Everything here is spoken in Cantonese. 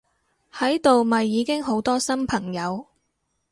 喺度咪已經好多新朋友！